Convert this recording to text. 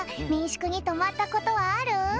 しゅくにとまったことはある？